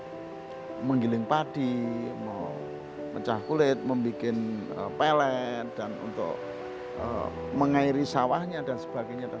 mau menggiling padi mau mencah kulit membuat pelet dan untuk mengairi sawahnya dan sebagainya